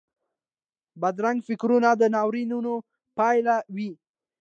بدرنګه فکرونه د ناورین پیل وي